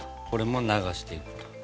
これも流していくと。